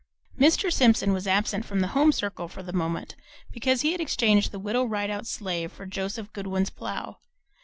Mr. Simpson was absent from the home circle for the moment because he had exchanged the Widow Rideout's sleigh for Joseph Goodwin's plough.